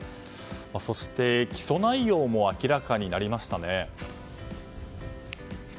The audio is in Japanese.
そして、起訴内容も明らかになりましたね。